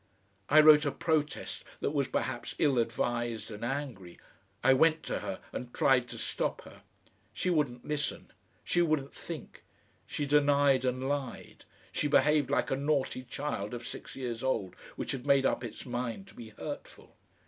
I wrote a protest that was perhaps ill advised and angry, I went to her and tried to stop her. She wouldn't listen, she wouldn't think, she denied and lied, she behaved like a naughty child of six years old which has made up its mind to be hurtful.